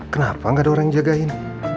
kenapa gak ada orang yang jagain